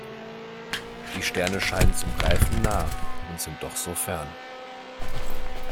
Die Sterne scheinen zum Greifen nah und sind doch so fern.